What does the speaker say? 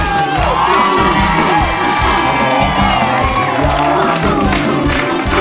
ร้องได้ให้ร้อง